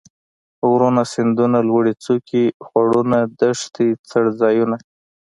غرونه ،سيندونه ،لوړې څوکي ،خوړونه ،دښتې ،څړ ځايونه